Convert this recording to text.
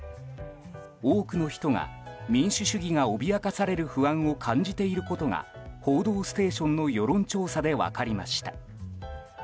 多くの人が民主主義が脅かされる不安を感じていることが「報道ステーション」の世論調査で分かりました。